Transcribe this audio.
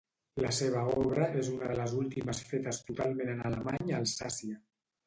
La seva obra és una de les últimes fetes totalment en alemany a Alsàcia.